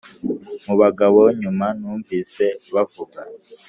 mubagabo nyuma numvise bavuga